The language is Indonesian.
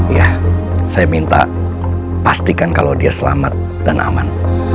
ya saya minta pastikan kalau dia selamat dan aman